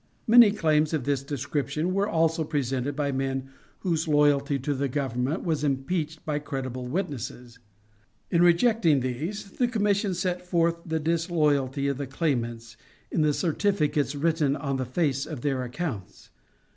Many claims of this description were also presented by men whose loyalty to the Government was impeached by credible witnesses. In rejecting these the commission set forth the disloyalty of the claimants, in the certificates written on the face of their accounts.